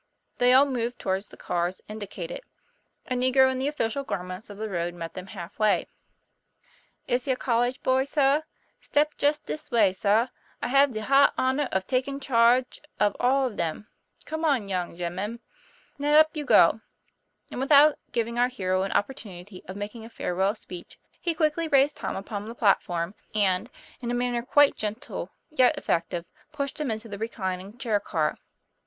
They all moved towards the cars indicated. A negro in the official garments of the road met them half way. ' Is he a college boy, sah ? Step jes dis way, sah. I have de high honaw of taking chahge of all of them. Come on, young gemman. Now, up you go." And without giving our hero an opportunity of making a farewell speech, he quickly raised Tom upon the platform, and, in a manner quite gentle, yet effective, pushed him into the reclining chair car.